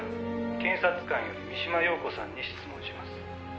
検察官より三島陽子さんに質問します」